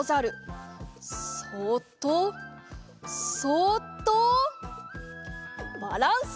そっとそっとバランス！